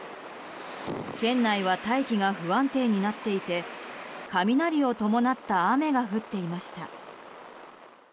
県内は大気が不安定になっていて雷を伴った雨が降っていました。